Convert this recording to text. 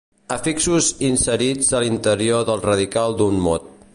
Afixos inserits a l'interior del radical d'un mot.